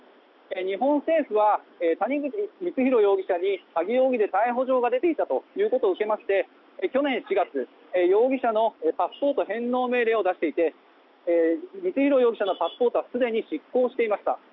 日本政府は谷口光弘容疑者に詐欺容疑で逮捕状が出ていたということを受けまして去年４月容疑者のパスポート返礼命令を出していて光弘容疑者のパスポートはすでに失効していました。